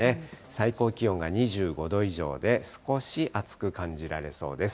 最高気温が２５度以上で、少し暑く感じられそうです。